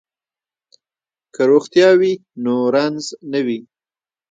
که روغتیا وي نو رنځ نه وي.